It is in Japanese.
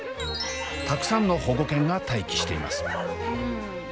たくさんの保護犬が待機しています。